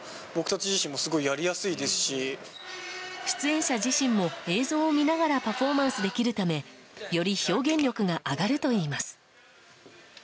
出演者自身も映像を見ながらパフォーマンスできるためより表現力が上がるといいます。